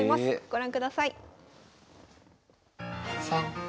ご覧ください。